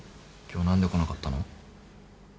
今日何で来なかったの？